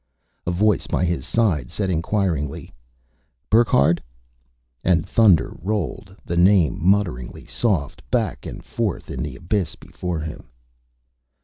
A voice by his side said inquiringly, "Burckhardt?" And thunder rolled the name, mutteringly soft, back and forth in the abyss before him.